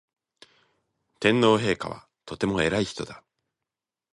天皇陛下はとても偉い人だ